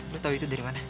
lo tau itu dari mana